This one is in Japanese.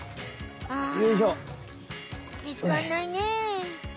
あみつかんないね。